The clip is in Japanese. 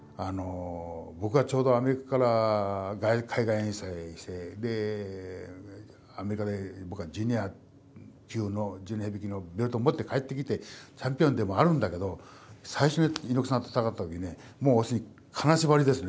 ぼくがちょうどアメリカから海外遠征してアメリカでぼくはジュニアヘビー級のベルトを持って帰ってきてチャンピオンでもあるんだけど最初に猪木さんと戦った時ねもう金縛りですね。